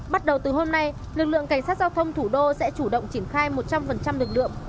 bắt đầu từ hôm nay lực lượng cảnh sát giao thông thủ đô sẽ chủ động triển khai một trăm linh lực lượng